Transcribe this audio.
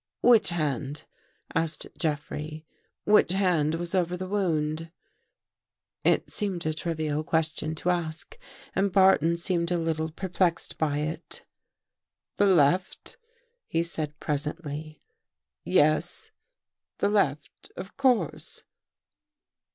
"Which hand?" asked Jeffrey. "Which hand was over the wound? " It seemed a trivial question to ask and Barton seemed a little perplexed by it. " The left," he said presently. "Yes, the left — of course."